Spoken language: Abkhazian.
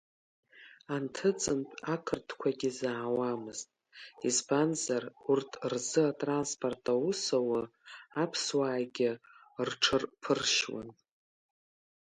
Анҭыҵынтә ақырҭқәагьы заауамызт, избанзар урҭ рзы атранспорт аус аур, аԥсуаагьы рҽырԥыршьуан.